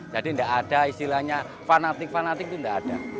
jadi enggak ada istilahnya fanatik fanatik itu enggak ada